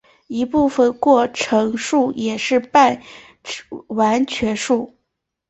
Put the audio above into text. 一部分过剩数也是半完全数。